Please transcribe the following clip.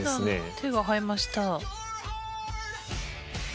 手が生えました。